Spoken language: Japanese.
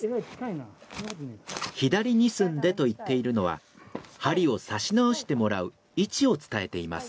「左２寸で」と言っているのは針を刺し直してもらう位置を伝えています。